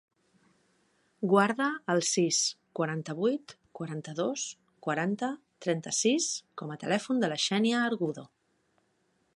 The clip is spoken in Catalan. Guarda el sis, quaranta-vuit, quaranta-dos, quaranta, trenta-sis com a telèfon de la Xènia Argudo.